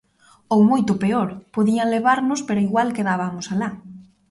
Ou moito peor, podían levarnos pero igual quedabamos alá.